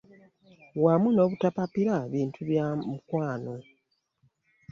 Wamu n'obutapapira bintu bya mukwano.